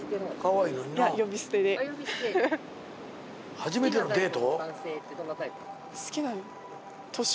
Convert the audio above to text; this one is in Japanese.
初めてのデート？